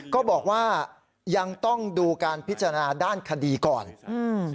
ก็บอกว่ายังต้องดูการพิจารณาด้านคดีก่อนอืม